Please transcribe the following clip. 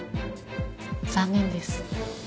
残念です。